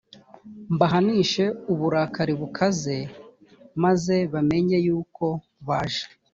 mbahanishe uburakari bukaze maze bamenye yuko baje